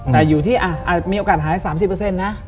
แต่อยู่ที่มีโอกาสหาย๓๐นะ